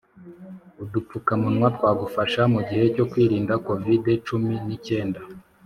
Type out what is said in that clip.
Udupfukamunwa twagufasha mugihe cyo kwirinda covid-cumi n’icyenda